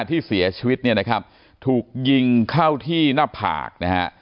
ที่เสียชีวิตเนี่ยนะครับถูกยิงเข้าที่หน้าผากนะฮะ